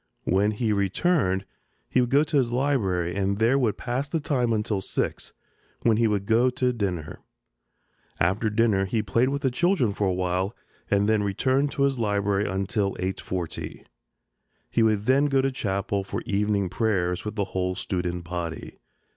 When he returned he would go to his library and there would pass the time until six, when he would go to dinner. After dinner he played with the children for a while and then returned to his library until 8.40. He would then go to Chapel for evening prayers with the whole student body.